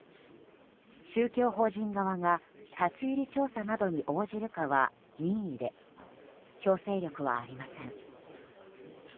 宗教法人側が立ち入り調査などに応じるかは任意で強制力はありません。